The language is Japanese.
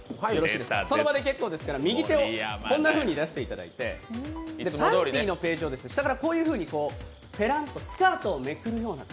その場で結構ですから右手を出していただいてパンティーのページを下からこういうふうにスカートをめくるように。